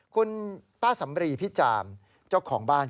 คุณป้าสำรีพิจามเจ้าของบ้าน